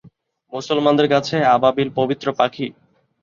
মুসলমানদের কাছে আবাবিল পবিত্র পাখি।